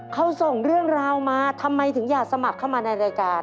เขาส่งเรื่องราวมาทำไมถึงอยากสมัครเข้ามาในรายการ